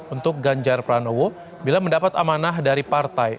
untuk ganjar pranowo bila mendapat amanah dari partai